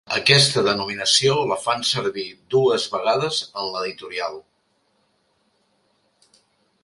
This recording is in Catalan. Aquesta denominació la fan servir dues vegades en l’editorial.